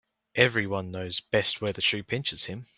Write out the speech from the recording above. Every one knows best where the shoe pinches him.